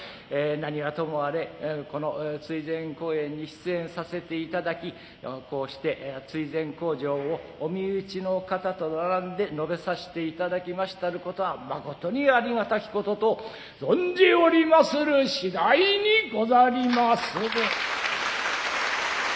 何はともあれこの追善公演に出演させていただきこうして追善口上をお身内の方と並んで述べさしていただきましたることは誠にありがたきことと存じおりまする次第にござりまする。